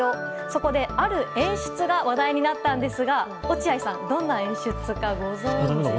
そこで、ある演出が話題になったんですが落合さんどんな演出かご存じですか？